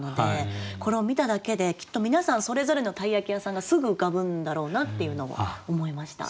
これを見ただけできっと皆さんそれぞれの鯛焼屋さんがすぐ浮かぶんだろうなっていうのを思いました。